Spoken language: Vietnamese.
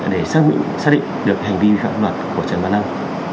để xác định được hành vi phạm luật của trần văn lâm